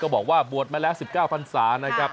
บอกว่าบวชมาแล้ว๑๙พันศานะครับ